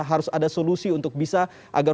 harus ada solusi untuk bisa agar